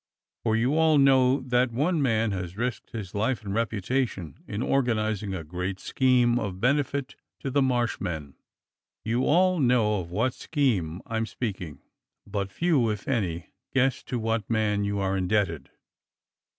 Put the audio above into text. For you all know that one man has risked his life and reputation in organizing a great scheme of benefit to the Marsh men. You all know of what scheme I am speaking; but few if any guess to w^hat man you are indebted.